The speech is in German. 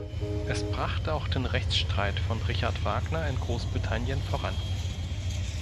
Es brachte auch den Rechtsstreit von Richard Wagner in Großbritannien voran.